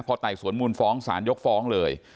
พอไต่สวนมูลฟ้องสารยกฟ้องเลย